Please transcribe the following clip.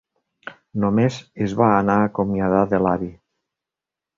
Només es va anar a acomiadar de l'avi.